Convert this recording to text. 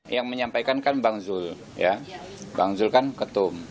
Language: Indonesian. yang menyampaikan kan bang zul ya bang zul kan ketum